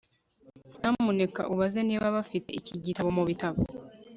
nyamuneka ubaze niba bafite iki gitabo mubitabo